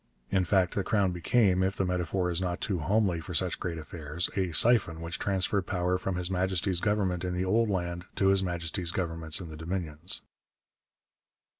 In fact the Crown became, if the metaphor is not too homely for such great affairs, a siphon which transferred power from His Majesty's Government in the old land to His Majesty's Governments in the Dominions.